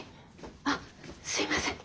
あすいません。